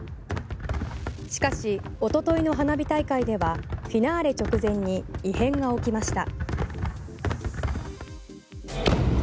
しかし、一昨日の花火大会ではフィナーレ直前に異変が起きました。